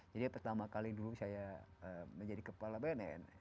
jadi pertama kali dulu saya menjadi kepala bnn